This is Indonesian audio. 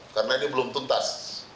karena ini belum tuntas